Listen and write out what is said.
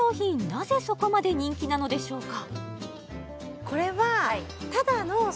なぜそこまで人気なのでしょうか？